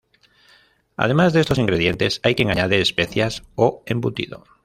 Además de estos ingredientes, hay quien añade especias o embutido.